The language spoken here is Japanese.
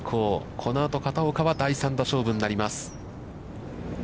このあと、片岡は第３打勝負になります。